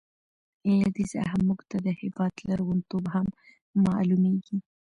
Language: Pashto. له دې څخه موږ ته د هېواد لرغون توب هم معلوميږي.